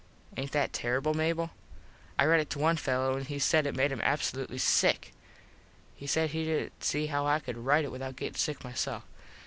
Aint that terrible, Mable? I read it to one fello an he said it made him absolutely sick. He said he didn't see how I could rite it without gettin sick myself.